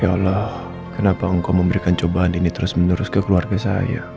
ya allah kenapa engkau memberikan cobaan ini terus menerus ke keluarga saya